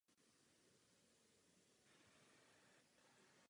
V posledních letech se rozšířil také do vnitrozemí Polska.